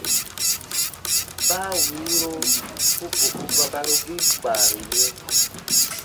Baa wiiro u boku bakarugiin kpaaru yɛ̃.